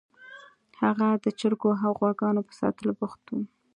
هغه د چرګو او غواګانو په ساتلو بوخت و